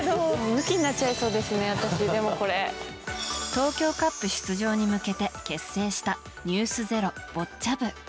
東京カップ出場に向けて結成した「ｎｅｗｓｚｅｒｏ」ボッチャ部。